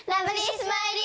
スマイリー。